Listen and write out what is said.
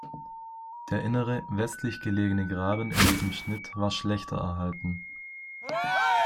Der innere, westlich gelegene Graben in diesem Schnitt war schlechter erhalten.